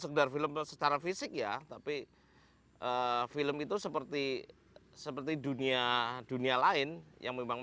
sekedar film secara fisik ya tapi film itu seperti seperti dunia dunia lain yang memang